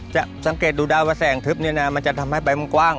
จะสังเกตุดูได้ว่าแสงถึบเนี่ยนะ